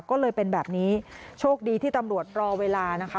ก็เลยเป็นแบบนี้โชคดีที่ตำรวจรอเวลานะคะ